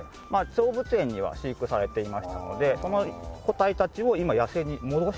動物園には飼育されていましたのでその個体たちを今野生に戻している。